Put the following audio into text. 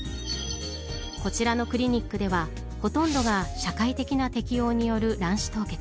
こちらのクリニックではほとんどが社会的な適応による卵子凍結。